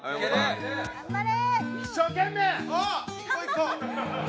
頑張れ！